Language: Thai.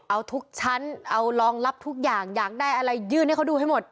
เอาทุกชั้นเอารองรับทุกอย่างอยากได้อะไรยื่นให้เขาดูให้หมด